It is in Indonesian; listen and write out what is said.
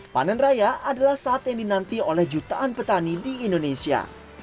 panen raya adalah saat yang dinanti oleh jutaan petani di indonesia